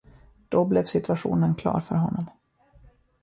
Då blev situationen klar för honom.